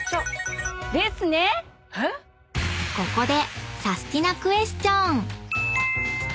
［ここで］